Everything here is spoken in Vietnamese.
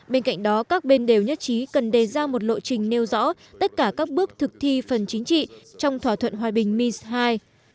bên cạnh đó các bên đều nhất trí cần đề ra một lộ trình nêu rõ tất cả các bước thực thi phần chính trị trong thỏa thuận hòa bình mis hai